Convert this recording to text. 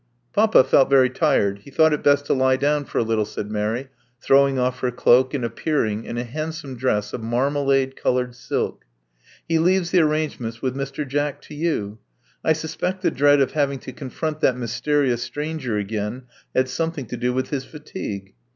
Papa felt very tired: he thought it best to lie down for a little," said Mary, throwing off her cloak and appearing in a handsome dress of marmalade colored silk. He leaves the arrangements with Mr. Jack to you. I suspect the dread of having to confront that mysterious stranger again had something to do with his fatigue.